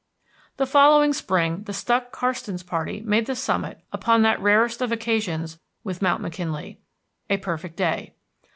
The following spring the Stuck Karstens party made the summit upon that rarest of occasions with Mount McKinley, a perfect day.